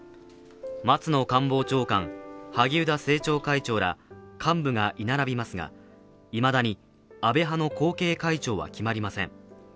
松野官房長官、萩生田政調会長ら幹部が居並びますが、いまだに安倍派の後継会長は決まりません。